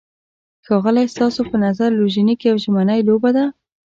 ښاغلی، ستاسو په نظر لوژینګ یوه ژمنی لوبه ده؟